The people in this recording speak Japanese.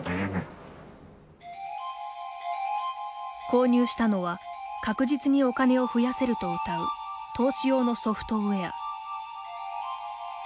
購入したのは確実にお金を増やせるとうたう投資用のソフトウエア。